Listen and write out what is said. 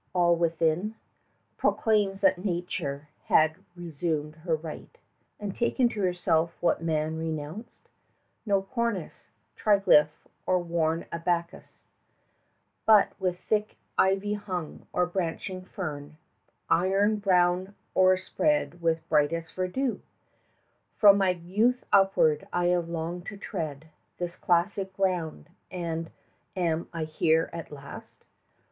All, all within Proclaims that Nature had resumed her right, And taken to herself what man renounced; No cornice, triglyph, or worn abacus, But with thick ivy hung, or branching fern, 25 Their iron brown o'erspread with brightest verdure! From my youth upward have I longed to tread This classic ground; and am I here at last?